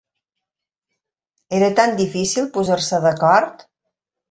Era tan difícil posar-se d’acord?